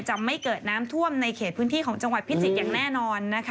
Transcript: จะไม่เกิดน้ำท่วมในเขตพื้นที่ของจังหวัดพิจิตรอย่างแน่นอนนะคะ